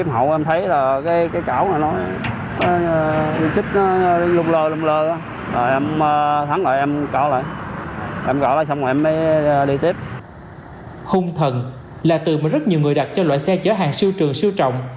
hung thần là từ mà rất nhiều người đặt cho loại xe chở hàng siêu trường siêu trọng